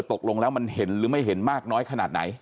ตกลงแล้วมันเห็นหรือไม่เห็นมากน้อยขนาดไหน